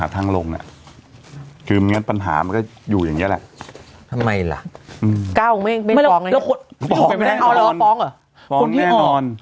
ทีละปีอีกหลายคนออก